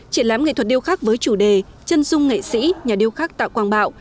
triển lãm nghệ thuật điêu khắc với chủ đề chân dung nghệ sĩ nhà điêu khắc tạ quang bạo